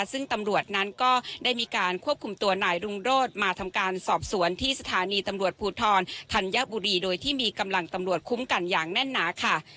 ซึ่งตำรวจนั้นก็ได้มีการควบคุมตัวนายรุงโรธมาทำการสอบสวนที่สถานีตำรวจภูทรธัญบุรีโดยที่มีกำลังตำรวจคุ้มกันอย่างแน่นหนาค่ะ